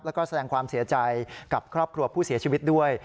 แล้วก็แสดงความเสียใจกับครอบครัวผู้เสียชีวิตด้วย